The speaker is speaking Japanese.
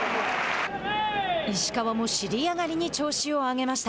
石川も尻上がりに調子を上げました。